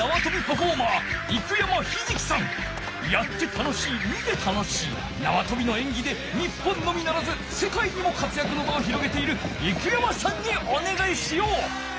やって楽しい見て楽しいなわとびのえんぎで日本のみならずせかいにも活やくの場を広げている生山さんにおねがいしよう！